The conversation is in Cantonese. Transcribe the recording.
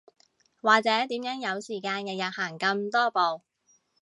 或者點樣有時間日日行咁多步